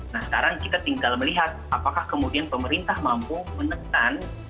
nah sekarang kita tinggal melihat apakah kemudian pemerintah mampu menekan